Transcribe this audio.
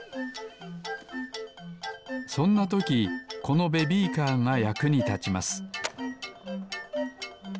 そんなときこのベビーカーがやくにたちます